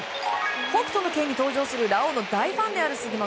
「北斗の拳」に登場するラオウの大ファンである杉本。